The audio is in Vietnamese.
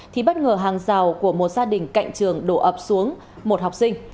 thì bất ngờ hàng rào của một gia đình cạnh trường đổ ập xuống một học sinh